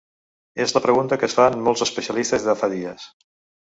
És la pregunta que es fan molts especialistes de fa dies.